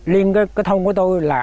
riêng cái thôn của tôi là